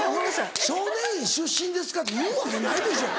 「少年院出身ですか？」って言うわけないでしょ。